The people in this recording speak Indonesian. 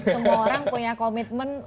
semua orang punya komitmen